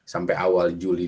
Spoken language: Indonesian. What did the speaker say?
sampai awal juli